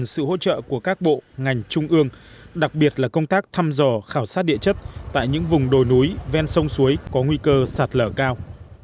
sự hỗ trợ của các bộ ngành trung ương đặc biệt là công tác thăm dò khảo sát địa chất tại những vùng đồi núi ven sông suối có nguy cơ sạt lở cao